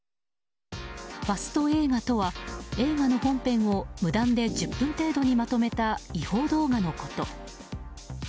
ファスト映画とは映画の本編を無断で１０分程度にまとめた違法動画のこと。